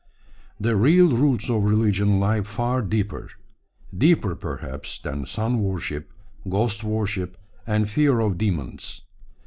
The real roots of religion lie far deeper: deeper, perhaps, than sun worship, ghost worship, and fear of demons.